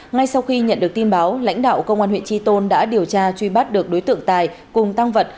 ngay sau khi nhận được tin báo lãnh đạo công an huyện tri tôn đã điều tra truy bắt được đối tượng tài cùng tăng vật